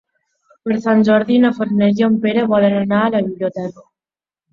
Per Sant Jordi na Farners i en Pere volen anar a la biblioteca.